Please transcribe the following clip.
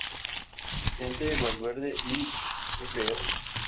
Vicente Valverde y fr.